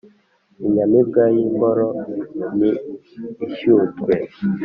Inyamibwa y’imboro ni ishyutwe.